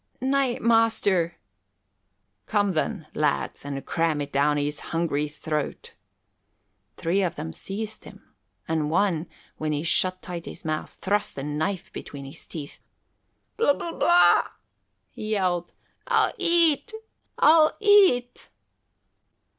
"Nay, master " "Come, then, lads, and cram it down his hungry throat." Three of them seized him, and one, when he shut tight his mouth, thrust a knife between his teeth. "Blub bub blah!" he yelled. "I'll eat! I'll eat!"